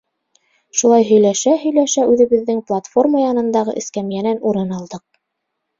Шулай һөйләшә-һөйләшә үҙебеҙҙең платформа янындағы эскәмйәнән урын алдыҡ.